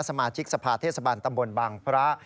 สมาชิกสภาเทศบาลตำบลบางพระ